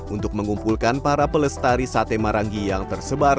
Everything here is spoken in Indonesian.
untuk mengumpulkan para pelestari sate marangi yang tersebar